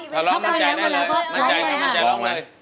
ถ้าลองมั้งใจมั้ยมาแล้วก็ล้องมา